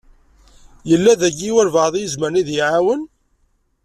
Yella daki walebɛaḍ i izemren ad yi-iɛawen?